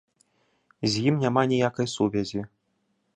З ім няма ніякай сувязі.